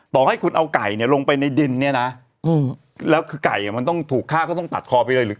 ต่อให้คุณเอาไก่เนี่ยลงไปในดินเนี่ยนะแล้วคือไก่มันต้องถูกฆ่าก็ต้องตัดคอไปเลยหรือ